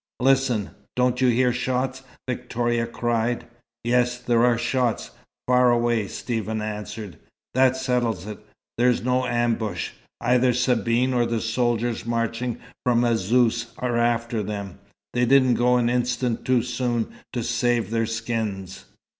"Listen! Don't you hear shots?" Victoria cried. "Yes. There are shots far away," Stephen answered. "That settles it. There's no ambush. Either Sabine or the soldiers marching from Azzouz are after them. They didn't go an instant too soon to save their skins."